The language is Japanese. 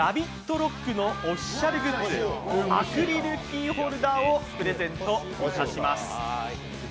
ＲＯＣＫのオフィシャルグッズ、アクリルキーホルダーをプレゼントいたします。